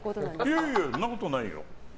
いやいや、そんなことないよ。